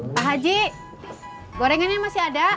pak haji gorengannya masih ada